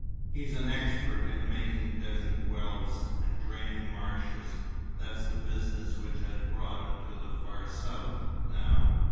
He's an expert in making desert wells, and draining marshes. That's the business which has brought him to the far South, now.